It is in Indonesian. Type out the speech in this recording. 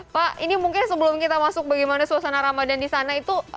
pak ini mungkin sebelum kita masuk bagaimana suasana ramadan di sana itu